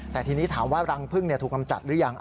แต่ทีนี้ถามว่ารังพึ่งถูกกำจัดหรือยัง